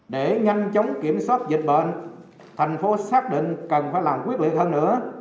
để nhanh chóng kiểm soát dịch bệnh thành phố xác định cần phải làm quyết liệt hơn nữa